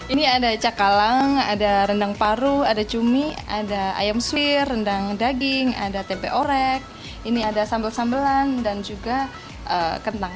ini ada cakalang ada rendang paru ada cumi ada ayam suwir rendang daging ada tempe orek ini ada sambal sambelan dan juga kentang